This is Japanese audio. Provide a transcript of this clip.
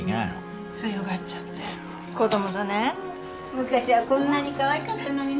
昔はこんなにかわいかったのにな。